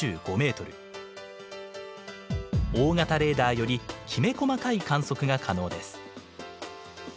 大型レーダーよりきめ細かい観測が可能です。